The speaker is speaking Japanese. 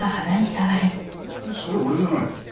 それ俺じゃない。